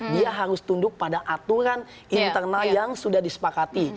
dia harus tunduk pada aturan internal yang sudah disepakati